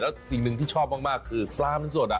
แล้วสิ่งหนึ่งที่ชอบมากคือปลามันสด